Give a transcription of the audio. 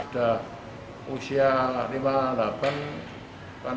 sudah usia lima lapan